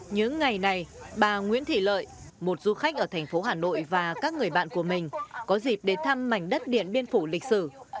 những ngày này bà nguyễn thị lợi một du khách ở thành phố hà nội và các người bạn của mình có dịp đến thăm mảnh đất điện biên phủ lịch sử